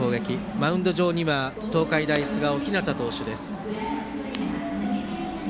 マウンド上には東海大菅生、日當投手です。